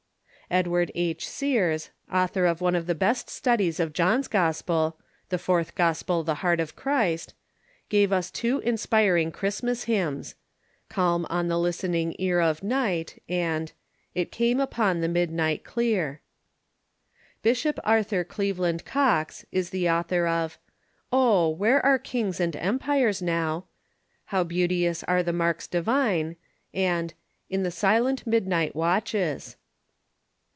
Edward H. Sears, author of one of tbe best studies of John's Gospel, " The Fourth Gospel tbe Heart of Christ," gave us two inspiring Christmas bymns, " Calm on the listening car of night," and "It came upon the midnight clear." 622 THK CIIUECIl IN THE UNITED STATES BishoiJ Arthur Cleveland Coxe is the author of " Oh ! where are kings and empires now," "How beauteous were the marks divine " and "In the silent midnight watches."